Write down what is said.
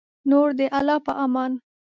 نور د الله په امان